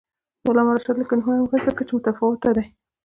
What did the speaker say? د علامه رشاد لیکنی هنر مهم دی ځکه چې متفاوته دی.